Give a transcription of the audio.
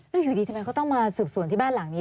แล้วอยู่ดีทำไมเขาต้องมาสืบสวนที่บ้านหลังนี้